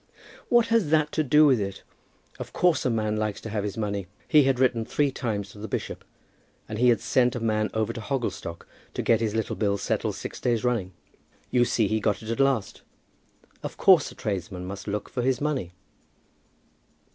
"What has that to do with it? Of course a man likes to have his money. He had written three times to the bishop, and he had sent a man over to Hogglestock to get his little bill settled six days running. You see he got it at last. Of course, a tradesman must look for his money."